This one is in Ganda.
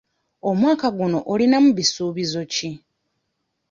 Omwaka guno olinamu bisuubizo ki?